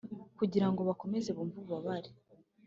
kugira ngo bakomeze bumve ububabare.